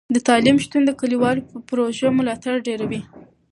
د تعلیم شتون د کلیوالو پروژو ملاتړ ډیروي.